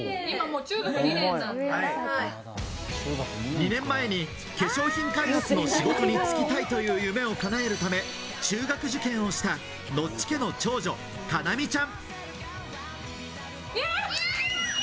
２年前に化粧品開発の仕事に就きたいという夢をかなえるため、中学受験をしたノッチ家の長女・叶望ちゃん。